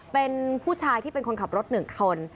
เป็นผู้ชายที่เป็นคนขับรถ๑คน